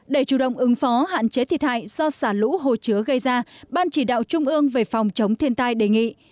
để chủ động ứng phó hạn chế thiệt hại do xả lũ hồ chứa gây ra ban chỉ đạo trung ương về phòng chống thiên tai đề nghị